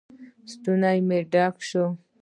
ستونى مې ډک سو.